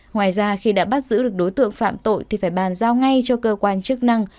ngoài ra khi đã bắt giữ được đối tượng phạm tội thì phải bàn giao ngay cho cơ quan chức năng